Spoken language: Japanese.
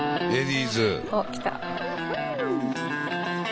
え？